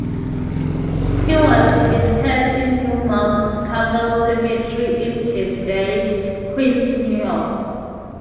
He was interred in New Mount Carmel Cemetery in Glendale, Queens, New York.